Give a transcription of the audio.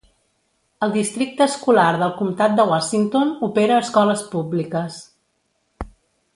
El Districte Escolar del Comtat de Washington opera escoles públiques.